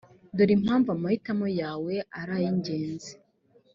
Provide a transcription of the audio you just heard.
dore impamvu amahitamo yawe ari ay’ingenzi